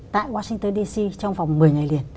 tại washington dc trong vòng một mươi ngày liền